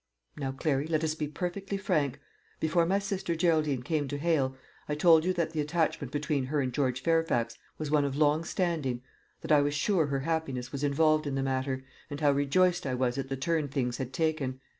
"Now, Clary, let us be perfectly frank. Before my sister Geraldine came to Hale, I told you that the attachment between her and George Fairfax was one of long standing; that I was sure her happiness was involved in the matter, and how rejoiced I was at the turn things had taken.